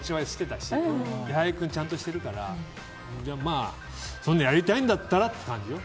矢作君ちゃんとしてるからそういうのやりたいんだったらって感じよ。